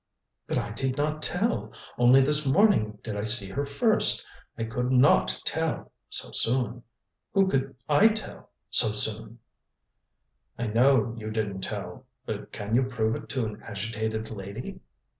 "But I did not tell. Only this morning did I see her first. I could not tell so soon. Who could I tell so soon?" "I know you didn't tell. But can you prove it to an agitated lady?